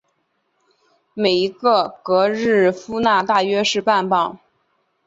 每一个格日夫纳大约是半磅。